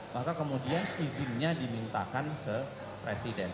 maka kemudian izinnya dimintakan ke presiden